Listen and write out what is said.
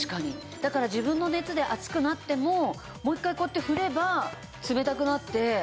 だから自分の熱で熱くなってももう一回こうやって振れば冷たくなって。